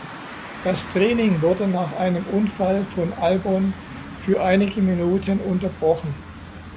Das Training wurde nach einem Unfall von Albon für einige Minuten unterbrochen.